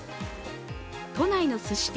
都内のすし店・